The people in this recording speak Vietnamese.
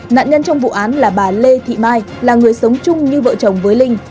nạn nhân trong vụ án là bà lê thị mai là người sống chung như vợ chồng với linh